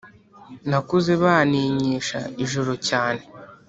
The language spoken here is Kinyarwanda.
Nakuze baninyisha ijoro cyane